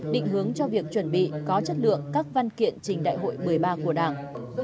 định hướng cho việc chuẩn bị có chất lượng các văn kiện trình đại hội một mươi ba của đảng